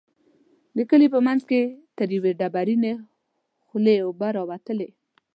د کلي په منځ کې تر يوې ډبرينې خولۍ اوبه راوتلې.